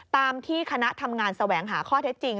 ตามที่คณะทำงานแสวงหาข้อเท็จจริง